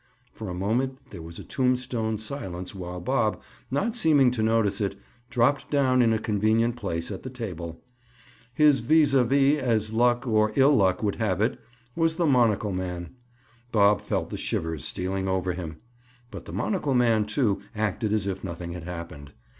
For a moment there was a tombstone silence while Bob, not seeming to notice it, dropped down in a convenient place at the table. His vis a vis, as luck, or ill luck would have it, was the monocle man. Bob felt the shivers stealing over him. But the monocle man, too, acted as if nothing had happened.